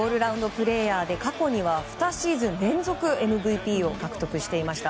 プレーヤーで過去には２シーズン連続ＭＶＰを獲得していました。